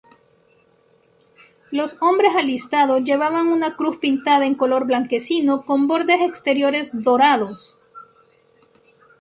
Los hombres alistados llevaban una cruz pintada en color blanquecino con bordes exteriores dorados.